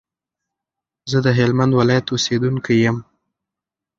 زه دهلمند ولایت اوسیدونکی یم.